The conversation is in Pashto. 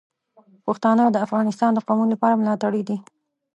پښتانه د افغانستان د قومونو لپاره ملاتړي دي.